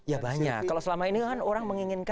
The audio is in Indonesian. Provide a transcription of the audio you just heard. ya banyak kalau selama ini kan orang menginginkan